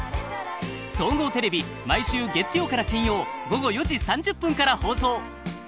総合テレビ毎週月曜から金曜午後４時３０分から放送。